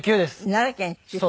奈良県出身。